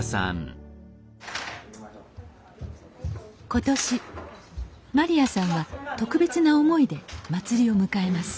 今年まりやさんは特別な思いで祭りを迎えます